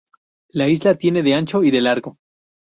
La isla tiene de ancho y de largo.